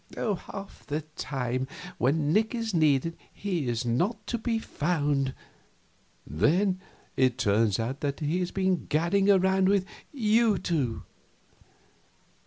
Half the time when Nick is needed he is not to be found; then it turns out that he has been gadding around with you two.